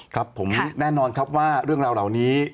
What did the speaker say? ครับผมแน่นอนครับว่าเรื่องราวเหล่านี้